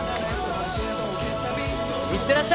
行ってらっしゃい！